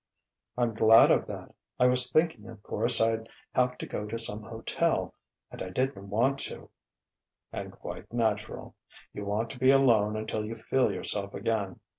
"I'm glad of that. I was thinking, of course, I'd have to go to some hotel ... and I didn't want to." "And quite natural. You want to be alone until you feel yourself again....